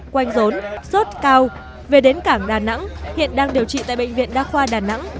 quanh rốn sốt cao về đến cảng đà nẵng hiện đang điều trị tại bệnh viện đa khoa đà nẵng